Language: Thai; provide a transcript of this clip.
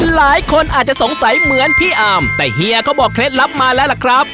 หลายคนอาจจะสงสัยเหมือนพี่อาร์มแต่เฮียเขาบอกเคล็ดลับมาแล้วล่ะครับ